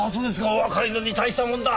お若いのに大したもんだ。